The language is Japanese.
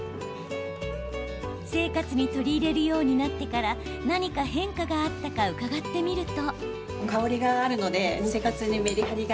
生活に取り入れるようになってから何か変化があったか伺ってみると。